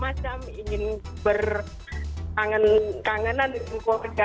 saya juga ingin berkangen kangenan di sekolah kerja